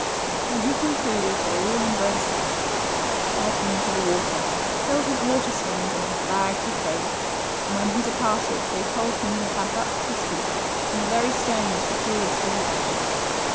When he concluded, they all embraced him, led him to the water, filled his water skins, and his bags with dates, and when he departed they told him he had but to speak and the very stones would do as "he wished.